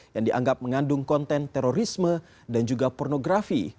yang dianggap mengandung konten terorisme dan juga pornografi